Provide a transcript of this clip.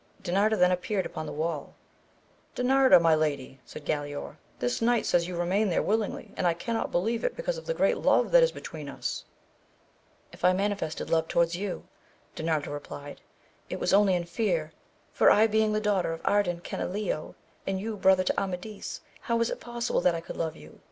Dinarda then appeared upon the wall. Dinarda my lady, said Galaor, this knight says you remain there willingly, and I cannot believe it because of the great love that is between us. If I manifested love towards you, Dinarda replied, it was only in fear, for I being the daughter of Ardan Canileo, and you brother to AmaJia, how is it possible that I could love you